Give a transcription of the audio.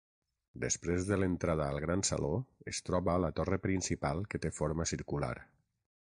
Després de l'entrada al gran saló es troba la torre principal que té forma circular.